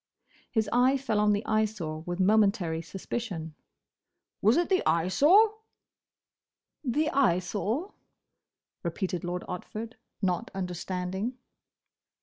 His eye fell on the Eyesore with momentary suspicion. "Was it the Eyesore?" "The Eyesore?" repeated Lord Otford, not understanding.